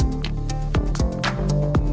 pembelian smartphone di tiongkok